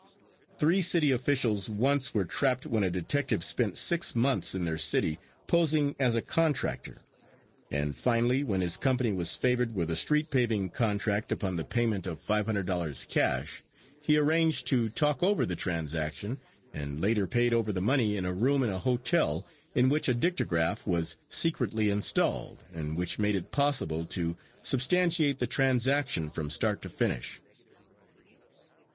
Three city officials once were trapped when a detective spent six months in their city posing as a contractor, and finally when his company was favored with a street paving contract upon the payment of $500.00 cash, he arranged to talk over the transaction and later paid over the money in a room in a hotel in which a dictagraph was secretly installed, and which made it possible to substantiate the transaction from start to finish.